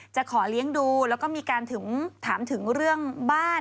จะขอเลี้ยงดูแล้วก็มีการถามถึงเรื่องบ้าน